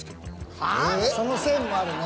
その線もあるね。